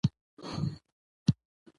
د باغدارۍ میکانیزه کول د میوو حاصلات ډیروي.